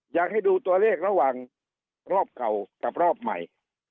อยากให้ดูตัวเลขระหว่างรอบเก่ากับรอบใหม่